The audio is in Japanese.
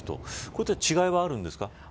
これって違いはあるんですか。